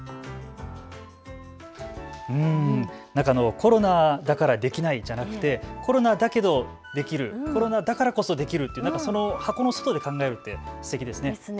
コロナだからできないではなくてコロナだけどできる、コロナだからこそできるという箱の外で考えるというのはすてきですね。